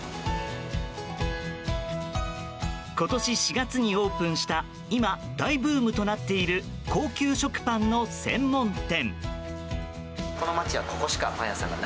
今年４月にオープンした今、大ブームとなっている高級食パンの専門店。